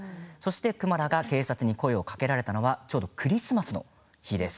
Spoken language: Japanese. クマラが警察に声をかけられたのはちょうどクリスマスの日です。